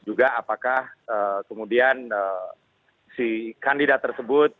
juga apakah kemudian si kandidat tersebut